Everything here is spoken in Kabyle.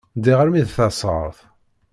Ddiɣ armi d tasɣert.